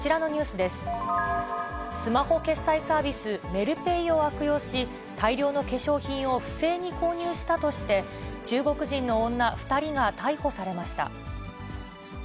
スマホ決済サービス、メルペイを悪用し、大量の化粧品を不正に購入したとして、中国人の女２人が逮捕されました。